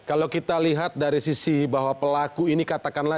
kalau kita lihat dari sisi bahwa pelaku ini katakanlah